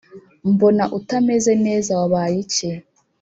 mbona utameze neza wabaye iki”